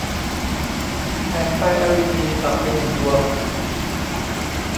แผงไฟแอลอีดีดับไปหนึ่งดวง